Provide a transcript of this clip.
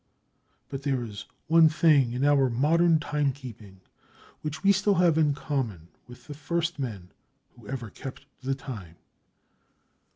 But there is one thing in our modern timekeeping which we still have in common with the first men who ever kept the time.